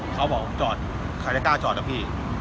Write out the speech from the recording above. เขาบอกจอดใครจะกล้าจอดนะพี่